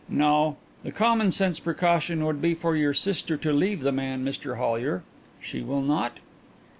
No.... The common sense precaution would be for your sister to leave the man, Mr Hollyer. She will not?"